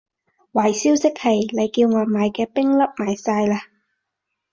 壞消息係，你叫我買嘅冰粒賣晒喇